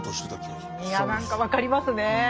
いや何か分かりますね。